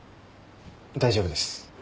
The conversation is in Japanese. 大丈夫です。